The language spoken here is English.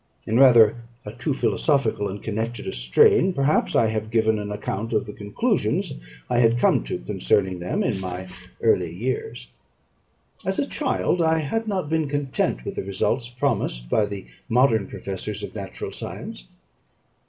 In rather a too philosophical and connected a strain, perhaps, I have given an account of the conclusions I had come to concerning them in my early years. As a child, I had not been content with the results promised by the modern professors of natural science.